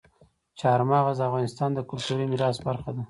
چار مغز د افغانستان د کلتوري میراث برخه ده.